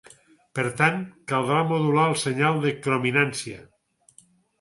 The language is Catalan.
Per tant, caldrà modular el senyal de crominància.